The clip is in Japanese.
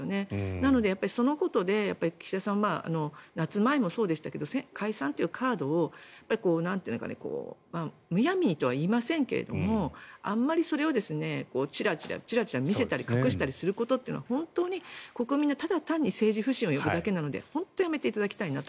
なので、そのことで岸田さん夏前もそうでしたけど解散というカードをむやみにとは言いませんがあまりそれをちらちら見せたり隠したりすることというのはただ単に国民の政治不信を呼ぶだけなので本当にやめていただきたいなと。